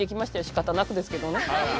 しかたなくですけどね。